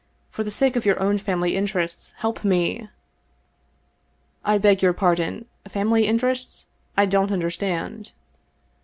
For the sake of your own family interests, help me !"" I beg your pardon — ^family interests ? I don't under stand."